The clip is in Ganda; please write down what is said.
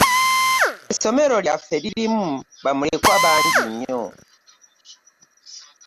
Esomero lyaffe lirimu bamulekwa bangi nnyo.